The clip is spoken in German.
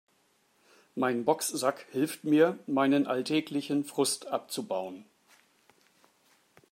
Mein Boxsack hilft mir, meinen alltäglichen Frust abzubauen.